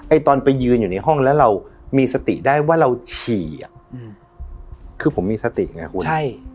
ตอนไปยืนอยู่ในห้องแล้วเรามีสติได้ว่าเราฉี่อ่ะอืมคือผมมีสติไงคุณใช่